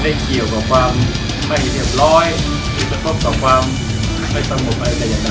ไม่เกี่ยวกับความไม่เรียบร้อยหรือจะต้องการความไม่สมบัติก็ยังได้นะครับ